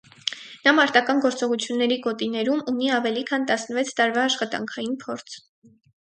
Նա մարտական գործողությունների գոտիներում ունի ավելի քան տասնվեց տարվա աշխատանքային փորձ։